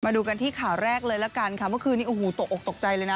มาดูกันที่ข่าวแรกแล้วกันครับวันคืนนี้โอ้โหตกอกตกใจเลยนะ